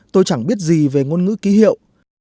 tôi chẳng biết gì về ngôn ngữ ký hiệu